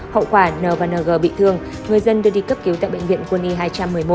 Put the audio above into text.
hậu quả n và ng bị thương người dân đưa đi cấp cứu tại bệnh viện quân y hai trăm một mươi một